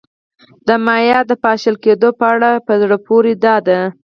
د مایا د پاشل کېدو په اړه په زړه پورې دا ده